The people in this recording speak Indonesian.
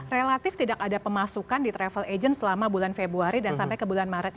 relatif tidak ada pemasukan di travel agent selama bulan februari dan sampai ke bulan maret